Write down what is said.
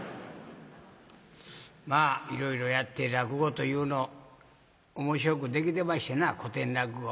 まあいろいろやって落語というの面白くできてましてな古典落語。